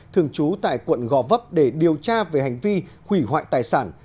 thường trú tại quận gò vấp để điều tra về hành vi hủy hoại tài sản